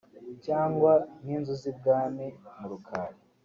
cyangwa nk’inzu z’ibwami mu Rukari